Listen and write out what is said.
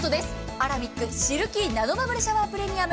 アラミックシルキーナノバブルシャワープレミアム。